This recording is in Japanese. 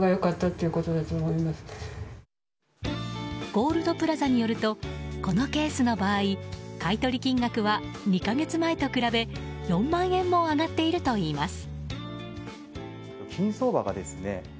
ゴールドプラザによるとこのケースの場合買い取り金額は、２か月前と比べ４万円も上がっているといいます。